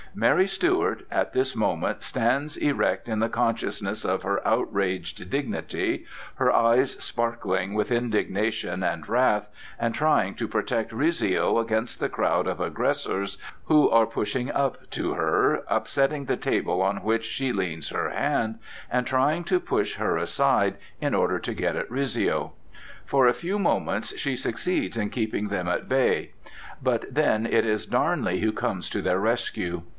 Mary Stuart at this moment stands erect in the consciousness of her outraged dignity, her eyes sparkling with indignation and wrath, and trying to protect Rizzio against the crowd of aggressors who are pushing up to her, upsetting the table on which she leans her hand, and trying to push her aside in order to get at Rizzio. For a few moments she succeeds in keeping them at bay; but then it is Darnley who comes to their rescue.